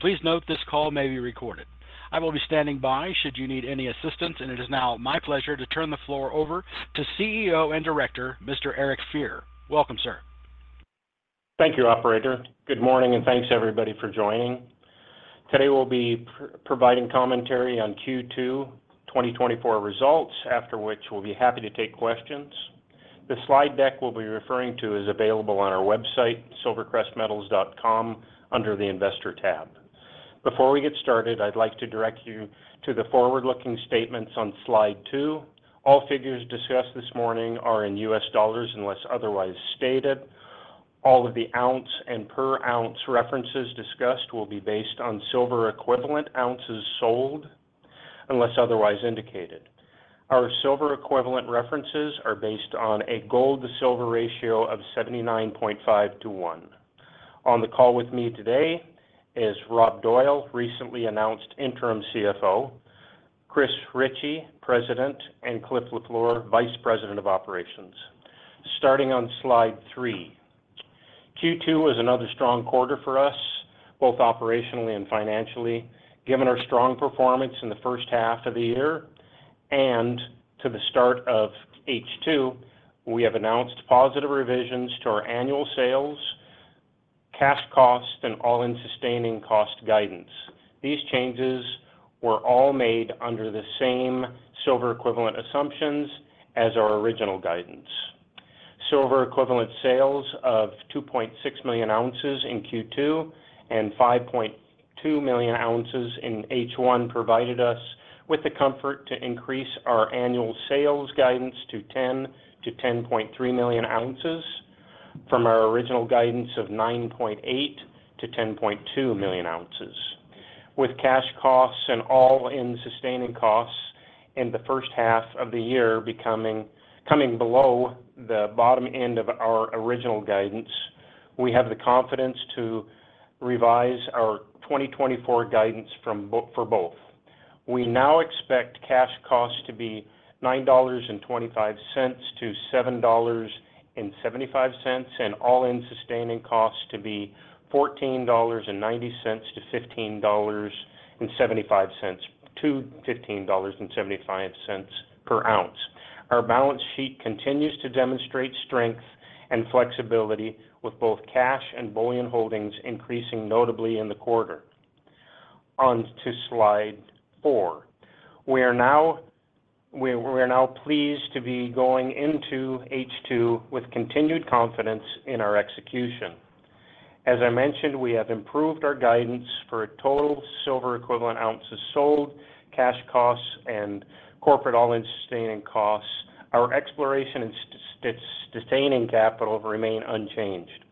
Please note this call may be recorded. I will be standing by should you need any assistance, and it is now my pleasure to turn the floor over to CEO and director, Mr. Eric Fier. Welcome, sir. Thank you, operator. Good morning, and thanks everybody for joining. Today, we'll be providing commentary on Q2 2024 results, after which we'll be happy to take questions. The slide deck we'll be referring to is available on our website, silvercrestmetals.com, under the Investor tab. Before we get started, I'd like to direct you to the forward-looking statements on slide two. All figures discussed this morning are in U.S. dollars, unless otherwise stated. All of the ounce and per ounce references discussed will be based on silver equivalent ounces sold, unless otherwise indicated. Our silver equivalent references are based on a gold to silver ratio of 79.5:1. On the call with me today is Rob Doyle, recently announced interim CFO, Chris Ritchie, President, and Cliff Lafleur, Vice President of Operations. Starting on slide three. Q2 was another strong quarter for us, both operationally and financially. Given our strong performance in the first half of the year and to the start of H2, we have announced positive revisions to our annual sales, cash costs, and all-in sustaining cost guidance. These changes were all made under the same silver equivalent assumptions as our original guidance. Silver equivalent sales of 2.6 million ounces in Q2 and 5.2 million ounces in H1 provided us with the comfort to increase our annual sales guidance to 10 to 10.3 million ounces, from our original guidance of 9.8 to 10.2 million ounces. With cash costs and all-in sustaining costs in the first half of the year coming below the bottom end of our original guidance, we have the confidence to revise our 2024 guidance for both. We now expect cash costs to be $9.25 to $7.75, and all-in sustaining costs to be $14.90 to $15.75 to $15.75 per ounce. Our balance sheet continues to demonstrate strength and flexibility, with both cash and bullion holdings increasing notably in the quarter. On to slide four. We're now pleased to be going into H2 with continued confidence in our execution. As I mentioned, we have improved our guidance for total silver equivalent ounces sold, cash costs, and corporate all-in sustaining costs. Our exploration and sustaining capital remain unchanged.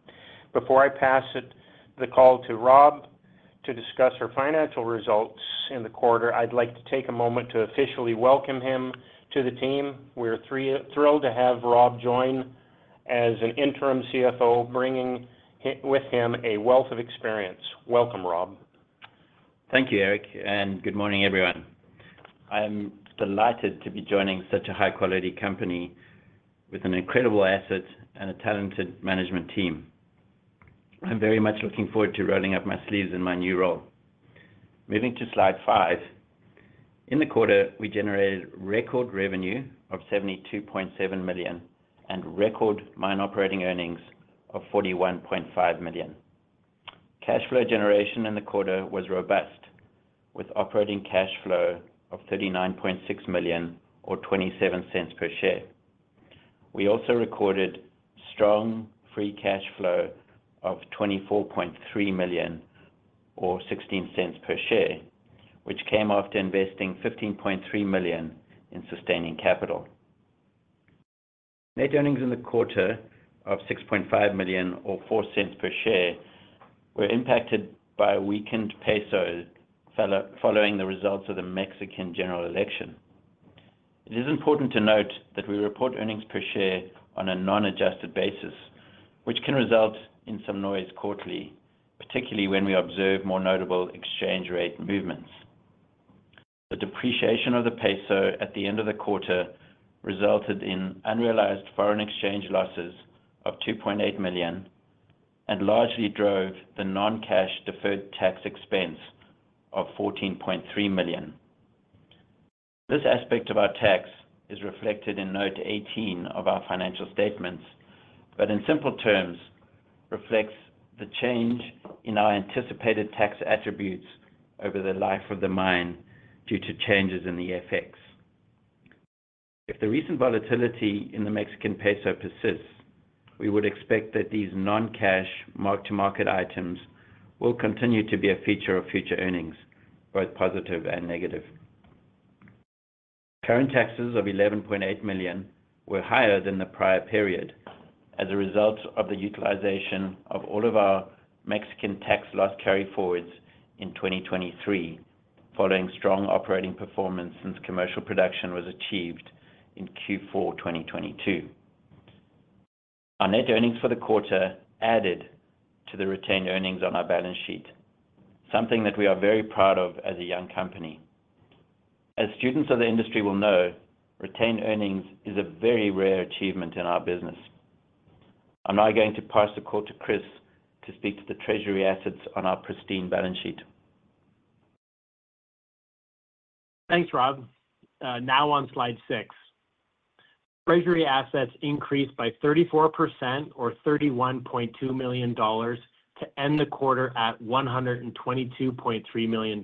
Before I pass it, the call to Rob to discuss our financial results in the quarter, I'd like to take a moment to officially welcome him to the team. We're thrilled to have Rob join as an interim CFO, bringing with him a wealth of experience. Welcome, Rob. Thank you, Eric, and good morning, everyone. I am delighted to be joining such a high-quality company with an incredible asset and a talented management team. I'm very much looking forward to rolling up my sleeves in my new role. Moving to slide five. In the quarter, we generated record revenue of $72.7 million and record mine operating earnings of $41.5 million. Cash flow generation in the quarter was robust, with operating cash flow of $39.6 million or $0.27 per share. We also recorded strong free cash flow of $24.3 million or $0.16 per share, which came after investing $15.3 million in sustaining capital. Net earnings in the quarter of $6.5 million or $0.04 per share were impacted by a weakened peso following the results of the Mexican general election. It is important to note that we report earnings per share on a non-adjusted basis, which can result in some noise quarterly, particularly when we observe more notable exchange rate movements. The depreciation of the peso at the end of the quarter resulted in unrealized foreign exchange losses of $2.8 million, and largely drove the non-cash deferred tax expense of $14.3 million. This aspect of our tax is reflected in Note 18 of our financial statements, but in simple terms, reflects the change in our anticipated tax attributes over the life of the mine due to changes in the FX. If the recent volatility in the Mexican peso persists, we would expect that these non-cash mark-to-market items will continue to be a feature of future earnings, both positive and negative. Current taxes of $11.8 million were higher than the prior period as a result of the utilization of all of our Mexican tax loss carryforwards in 2023, following strong operating performance since commercial production was achieved in Q4 2022. Our net earnings for the quarter added to the retained earnings on our balance sheet, something that we are very proud of as a young company. As students of the industry will know, retained earnings is a very rare achievement in our business. I'm now going to pass the call to Chris to speak to the treasury assets on our pristine balance sheet. Thanks, Rob. Now on slide six. Treasury assets increased by 34% or $31.2 million to end the quarter at $122.3 million.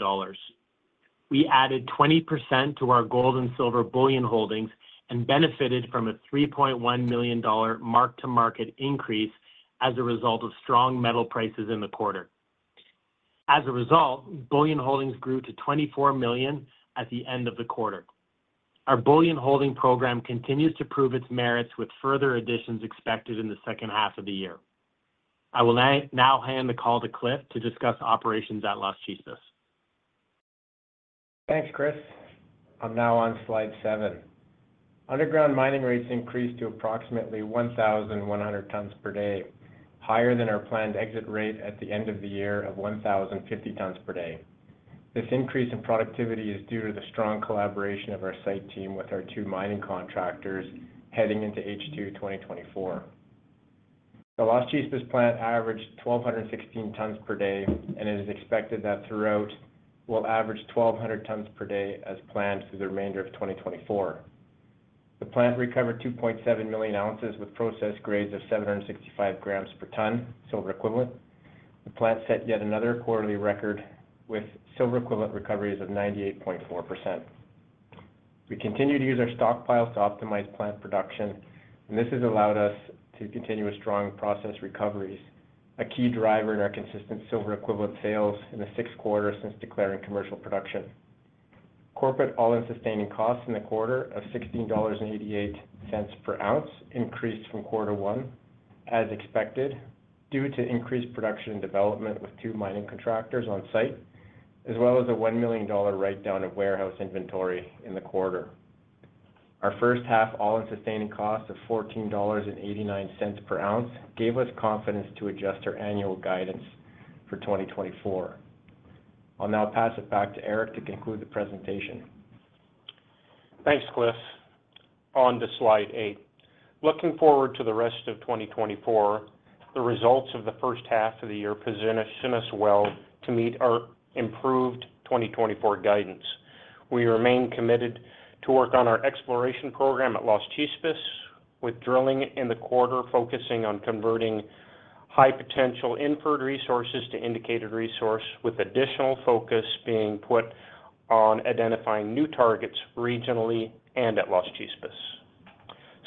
We added 20% to our gold and silver bullion holdings and benefited from a $3.1 million mark-to-market increase as a result of strong metal prices in the quarter. As a result, bullion holdings grew to $24 million at the end of the quarter. Our bullion holding program continues to prove its merits, with further additions expected in the second half of the year. I will now hand the call to Cliff to discuss operations at Las Chispas. Thanks, Chris. I'm now on slide seven. Underground mining rates increased to approximately 1,100 tonnes per day, higher than our planned exit rate at the end of the year of 1,050 tonnes per day. This increase in productivity is due to the strong collaboration of our site team with our two mining contractors heading into H2 2024. The Las Chispas plant averaged 1,216 tonnes per day, and it is expected that throughout, we'll average 1,200 tonnes per day as planned through the remainder of 2024. The plant recovered 2.7 million ounces with processed grades of 765 grams per ton, silver equivalent. The plant set yet another quarterly record with silver-equivalent recoveries of 98.4%. We continue to use our stockpiles to optimize plant production, and this has allowed us to continue with strong process recoveries, a key driver in our consistent silver-equivalent sales in the sixth quarter since declaring commercial production. Corporate all-in sustaining costs in the quarter of $16.88 per ounce increased from quarter one, as expected, due to increased production and development, with two mining contractors on site, as well as a $1 million write-down of warehouse inventory in the quarter. Our first half all-in sustaining cost of $14.89 per ounce gave us confidence to adjust our annual guidance for 2024. I'll now pass it back to Eric to conclude the presentation. Thanks, Cliff. On to slide eight. Looking forward to the rest of 2024, the results of the first half of the year position us, position us well to meet our improved 2024 guidance. We remain committed to work on our exploration program at Las Chispas, with drilling in the quarter focusing on converting high-potential inferred resources to indicated resource, with additional focus being put on identifying new targets regionally and at Las Chispas.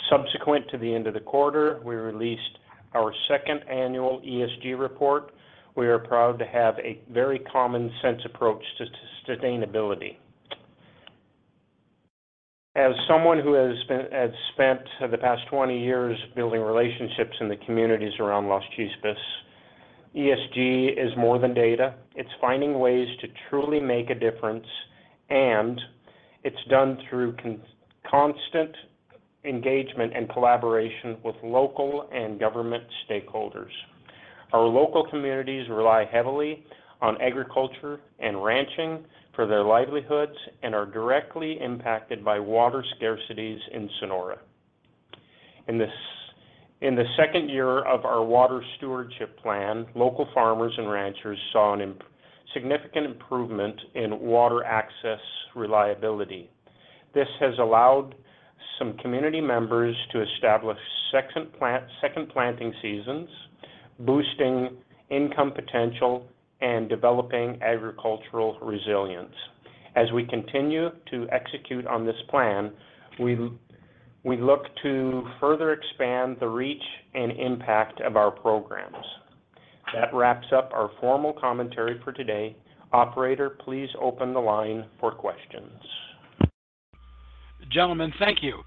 Subsequent to the end of the quarter, we released our second annual ESG report. We are proud to have a very common-sense approach to sustainability. As someone who has spent, has spent the past 20 years building relationships in the communities around Las Chispas, ESG is more than data. It's finding ways to truly make a difference, and it's done through constant engagement and collaboration with local and government stakeholders. Our local communities rely heavily on agriculture and ranching for their livelihoods and are directly impacted by water scarcities in Sonora. In the second year of our water stewardship plan, local farmers and ranchers saw a significant improvement in water access reliability. This has allowed some community members to establish second plant, second planting seasons, boosting income potential and developing agricultural resilience. As we continue to execute on this plan, we look to further expand the reach and impact of our programs. That wraps up our formal commentary for today. Operator, please open the line for questions. Gentlemen, thank you.